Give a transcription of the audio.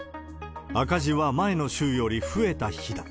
赤字は前の週より増えた日だ。